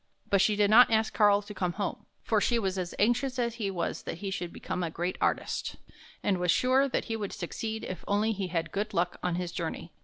But she did not ask Karl to come home, for she was as anxious as he was that he should become a great artist, and was sure that he would succeed if he only had good luck on his journey.